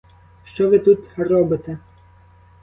Що ви тут робите?